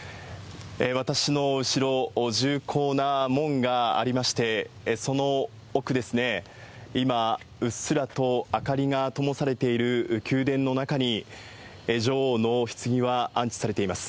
私の後ろ、重厚な門がありまして、その奥ですね、今、うっすらと明かりがともされている宮殿の中に、女王のひつぎは安置されています。